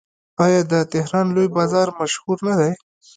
آیا د تهران لوی بازار مشهور نه دی؟